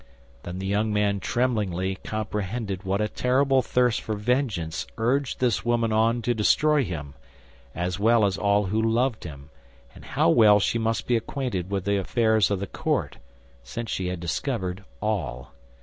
Then the young man tremblingly comprehended what a terrible thirst for vengeance urged this woman on to destroy him, as well as all who loved him, and how well she must be acquainted with the affairs of the court, since she had discovered all.